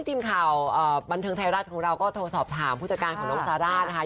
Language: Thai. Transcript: ทีมข่าวบันเทิงไทยรัฐของเราก็โทรสอบถามผู้จัดการของน้องซาร่านะคะ